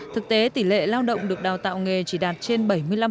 thực tế tỷ lệ lao động được đào tạo nghề chỉ đạt trên bảy mươi năm